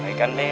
baikan deh ya